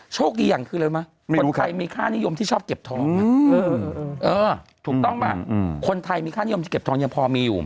โชคดีอย่างคืออะไรมั้ยคนไทยมีค่านิยมที่ชอบเก็บทองถูกต้องป่ะคนไทยมีค่านิยมที่เก็บทองยังพอมีอยู่